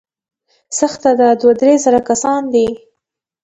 سخته ده، دوه، درې زره کسان دي.